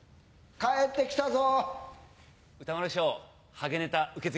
帰ってきたぞ。